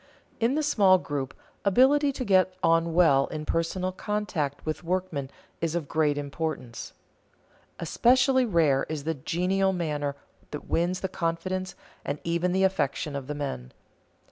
_ In the small group, ability to get on well in personal contact with workmen is of great importance. Especially rare is the genial manner that wins the confidence and even the affection of the men.